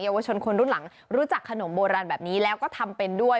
วชนคนรุ่นหลังรู้จักขนมโบราณแบบนี้แล้วก็ทำเป็นด้วย